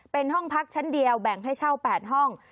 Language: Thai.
เป็นห้องพักชั้นเดียวแบ่งให้เช่า๘ห้อง